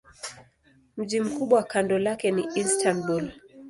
Mji mkubwa kando lake ni Istanbul.